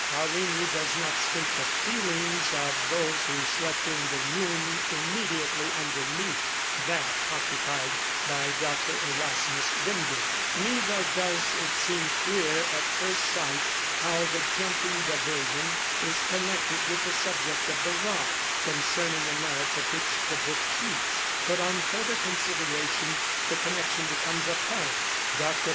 Paullini does not state the feelings of those who slept in the room immediately underneath that occupied by Dr. Erasmus Vinding ; neither does it seem clear at first sight how the jumping diversion is connected with the subject of the rod, concerning the merits of which the book treats ; but on further consideration the connection becomes apparent. Dr.